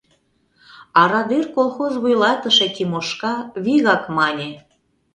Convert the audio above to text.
А «Радер» колхоз вуйлатыше Тимошка вигак мане: